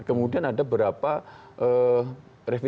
kemudian ada berapa revisori wisata